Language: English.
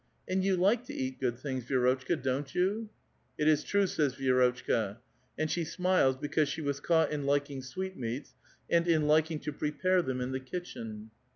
And you like to eat good things, Vi^rotchka, don't you?" '* It is true," says Vi^rotchka ; and she smiles because she was caught in liking sweetmeats, and in liking to pre pare them in the kitchen.